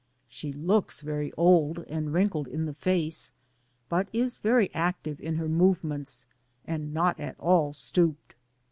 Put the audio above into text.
She looks very old and wrinkled in the face, but is very active in her movements, and not at all stooped.